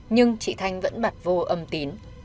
nhưng chị thanh vẫn bật vô âm tín